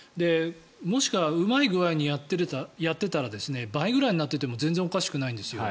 もしくはうまい具合にやっていたら倍ぐらいになっていても全然おかしくないんですよ。